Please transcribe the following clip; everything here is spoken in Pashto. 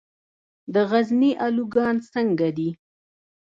د غزني الوګان څنګه دي؟